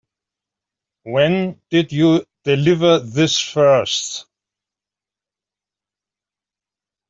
When did you deliver this first?